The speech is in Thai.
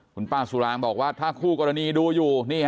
คุณป้าสุรางบอกว่าถ้าคู่กรณีดูอยู่